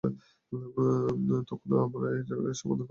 তখনো, আমরা এর সমাধান করতে পারবো না, কারণ এটা একপ্রকার পাগলামো।